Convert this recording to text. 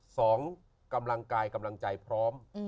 สองกำลังกายกำลังใจพร้อม